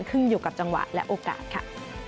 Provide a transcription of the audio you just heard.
ขึ้นอยู่กับจังหวะและโอกาสค่ะ